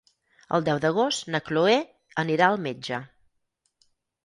El deu d'agost na Chloé anirà al metge.